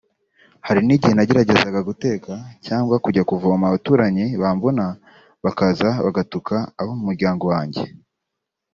Hari n’igihe nageragezaga guteka cyangwa kujya kuvoma abaturanyi bambona bakaza bagatuka abo mu muryango wanjye